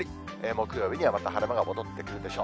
木曜日にはまた晴れ間が戻ってくるでしょう。